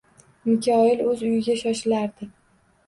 Mikoyil o`z uyiga shoshilardi